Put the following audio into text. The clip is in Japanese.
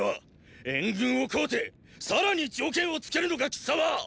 援軍を請うてさらに条件を付けるのか貴様！